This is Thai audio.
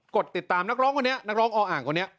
กดติดตามนักร้องออ่างคนนี้